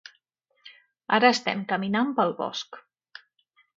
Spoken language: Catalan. Ara estem caminant pel bosc.